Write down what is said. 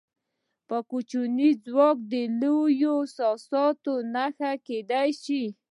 یو کوچنی خوراک د لویو احساساتو نښه کېدای شي.